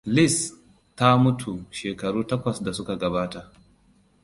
Liz ta mutu shekaru takwas da suka gabata.